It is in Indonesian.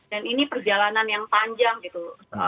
dan ini perjalanan yang panjang gitu